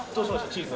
チーズ。